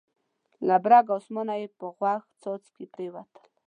له برګ اسمانه یې پر غوږ څاڅکي پرېوتل.